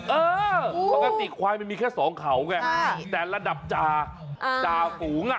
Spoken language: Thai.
เออปกติควายมันมีแค่สองเขาไงแต่ระดับจาฝูงอ่ะ